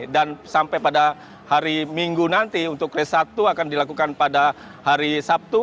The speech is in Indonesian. dan sampai pada hari minggu nanti untuk race satu akan dilakukan pada hari sabtu